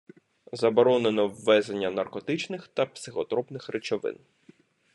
Заборонено ввезення наркотичних та психотропних речовин.